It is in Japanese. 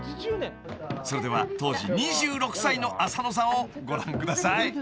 ［それでは当時２６歳の浅野さんをご覧ください］